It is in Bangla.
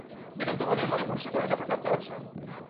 বেদান্ত বলেন, মনের পশ্চাতে যথার্থ আত্মা আছেন।